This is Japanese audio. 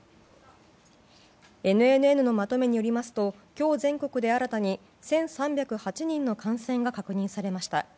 ＮＮＮのまとめによりますと今日、全国で新たに１３０８人の感染が確認されました。